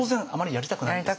やりたくないんだ。